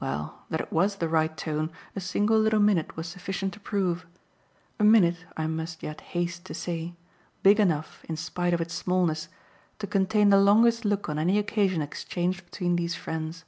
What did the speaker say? Well, that it WAS the right tone a single little minute was sufficient to prove a minute, I must yet haste to say, big enough in spite of its smallness to contain the longest look on any occasion exchanged between these friends.